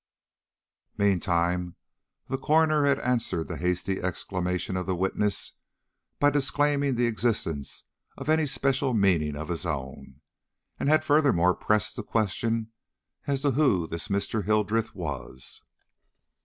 Meantime the coroner had answered the hasty exclamation of the witness, by disclaiming the existence of any special meaning of his own, and had furthermore pressed the question as to who this Mr. Hildreth was.